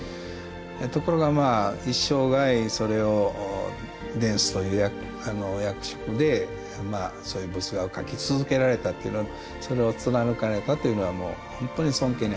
ところがまあ一生涯それを殿司という役職でそういう仏画を描き続けられたというのはそれを貫かれたというのはもう本当に尊敬に値すると思います。